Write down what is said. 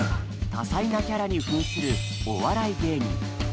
多彩なキャラにふんするお笑い芸人。